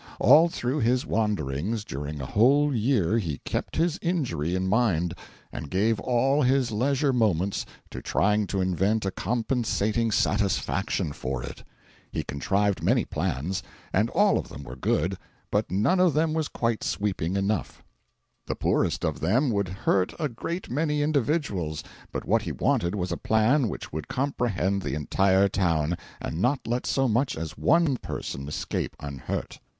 All through his wanderings during a whole year he kept his injury in mind, and gave all his leisure moments to trying to invent a compensating satisfaction for it. He contrived many plans, and all of them were good, but none of them was quite sweeping enough: the poorest of them would hurt a great many individuals, but what he wanted was a plan which would comprehend the entire town, and not let so much as one person escape unhurt.